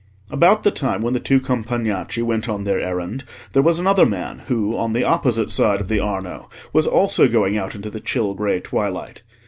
About the time when the two Compagnacci went on their errand, there was another man who, on the opposite side of the Arno, was also going out into the chill grey twilight.